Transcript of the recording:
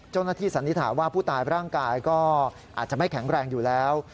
สันนิษฐานว่าผู้ตายร่างกายก็อาจจะไม่แข็งแรงอยู่แล้ว